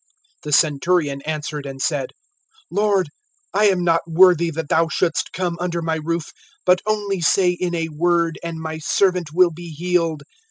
(8)The centurion answered and said: Lord, I am not worthy that thou shouldst come under my roof; but only say in a word, and my servant will be healed.